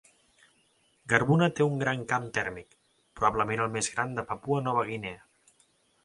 Garbuna té un gran camp tèrmic, probablement el més gran de Papua Nova Guinea.